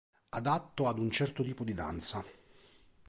Adatto ad un certo tipo di danza.